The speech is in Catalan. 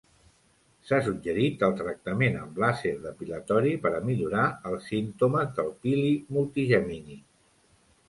S'ha suggerit el tractament amb làser depilatori per a millorar els símptomes del pili multigemini.